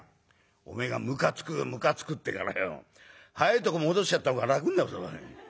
「おめえが『むかつくむかつく』ってえからよ早いとこもどしちゃったほうが楽になるぞおい」。